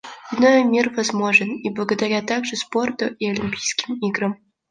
Иной мир возможен, и благодаря также спорту и Олимпийским играм.